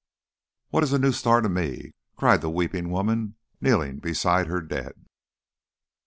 "What is a new star to me?" cried the weeping woman kneeling beside her dead.